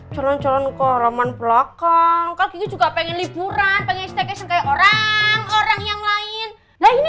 calon calon ke orman pelakang juga pengen liburan pengen staycation orang orang yang lain lain